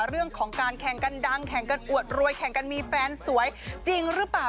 เรื่องของการแข่งกันดังแข่งกันอวดรวยแข่งกันมีแฟนสวยจริงหรือเปล่า